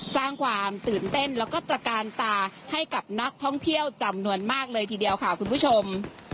สร้างความตื่นเต้นแล้วก็ตระกาลตาให้กับนักท่องเที่ยวจำนวนมากเลยทีเดียวค่ะคุณผู้ชม